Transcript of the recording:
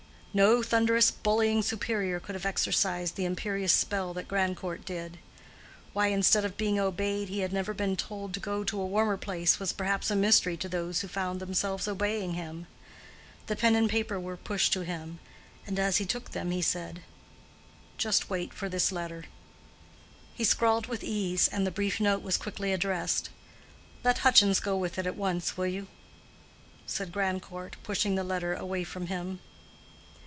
No thunderous, bullying superior could have exercised the imperious spell that Grandcourt did. Why, instead of being obeyed, he had never been told to go to a warmer place, was perhaps a mystery to those who found themselves obeying him. The pen and paper were pushed to him, and as he took them he said, "Just wait for this letter." He scrawled with ease, and the brief note was quickly addressed. "Let Hutchins go with it at once, will you?" said Grandcourt, pushing the letter away from him.